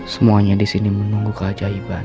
semuanya disini menunggu keajaiban